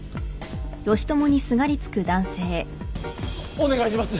お願いします